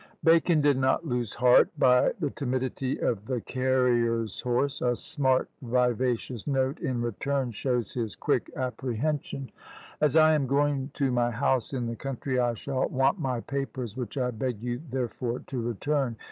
" Bacon did not lose heart by the timidity of the "carrier's horse:" a smart vivacious note in return shows his quick apprehension. "As I am going to my house in the country, I shall want my papers, which I beg you therefore to return.